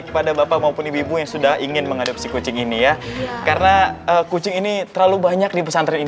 kepada bapak maupun ibu yang sudah ingin menghadapi kucing ini ya karena kucing ini terlalu banyak di